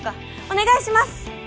お願いします！